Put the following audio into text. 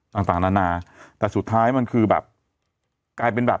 ทำงานครบ๒๐ปีได้เงินชดเฉยเลิกจ้างไม่น้อยกว่า๔๐๐วัน